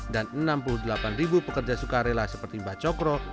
dan enam puluh delapan ribu pekerja sukarela seperti mbah cokro